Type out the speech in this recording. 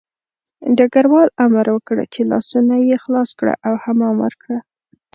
ډګروال امر وکړ چې لاسونه یې خلاص کړه او حمام ورکړه